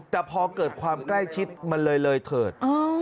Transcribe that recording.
แต่พอเกิดความใกล้ชิดมันเลยเลยเถิด